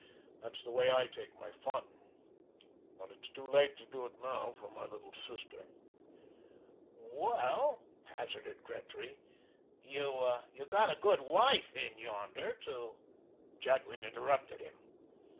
That's the way I take my fun. But it's too late to do it now for my little sister." "Well," hazarded Gretry, "you got a good wife in yonder to " Jadwin interrupted him.